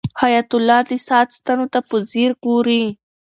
حیات الله د ساعت ستنو ته په ځیر ګوري.